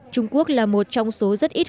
trung quốc là một trong số rất ít